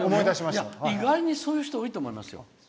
意外にそういう人多いと思いますよ。